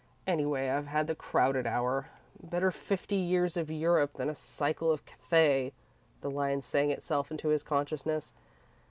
"Anyway, I've had the crowded hour. 'Better fifty years of Europe than a cycle of Cathay'" the line sang itself into his consciousness.